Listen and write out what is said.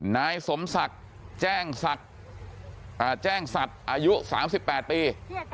นายสมศักดิ์แจ้งศักดิ์อ่าแจ้งศัตริย์อายุสามสิบแปดปี